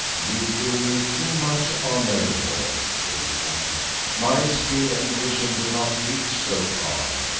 "You do me too much honour, lord," he replied; "my skill and vision do not reach so far.